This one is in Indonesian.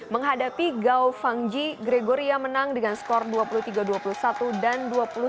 menghadapi gao fangji gregoria menang dengan skor dua puluh tiga dua puluh satu dan dua puluh satu dua belas